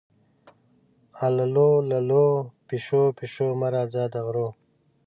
اللو للو، پیشو-پیشو مه راځه د غرو